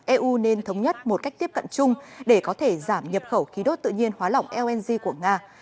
eu nên thống nhất một cách tiếp cận chung để có thể giảm nhập khẩu khí đốt tự nhiên hóa lỏng lng của nga